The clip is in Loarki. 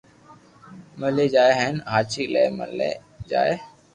ملي جائي ھين ھاچي لي ملي جائي